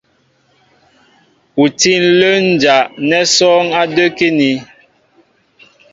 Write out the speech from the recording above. U tí ǹlə́ ǹjá' nɛ́ sɔ́ɔ́ŋ á də́kíní.